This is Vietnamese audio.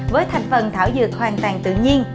với thành phần thảo dược hoàn toàn tự nhiên